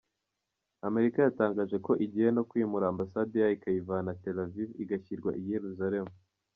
Amerika yatangaje ko igiye no kwimura Ambasade yayo ikayivana Tel Aviv igashyirwa i Yeruzalemu.